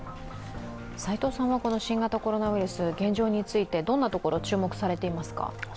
斎藤さんは新型コロナウイルス、どんなところに注目されていますか？